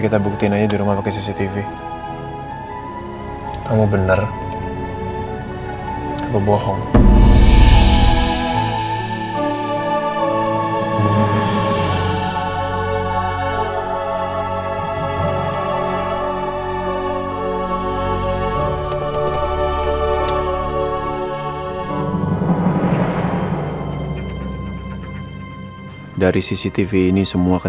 tadi baru pingsan kan